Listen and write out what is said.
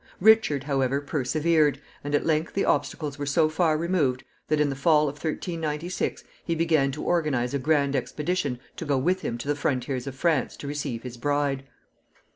Richard, however, persevered, and at length the obstacles were so far removed, that in the fall of 1396 he began to organize a grand expedition to go with him to the frontiers of France to receive his bride.